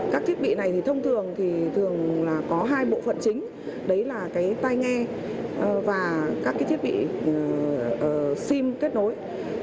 các thiết bị này thông thường có hai bộ phận chính đấy là cái tay nghe và các thiết bị sim kết nối